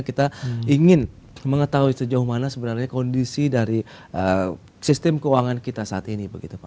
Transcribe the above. kita ingin mengetahui sejauh mana sebenarnya kondisi dari sistem keuangan kita saat ini